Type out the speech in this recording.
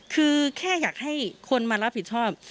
คือแค่อยากให้คนมารับผิดชอบ